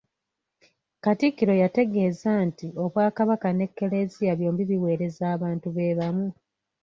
Katikkiro yategeeza nti Obwakabaka n’Eklezia byombi biweereza abantu be bamu.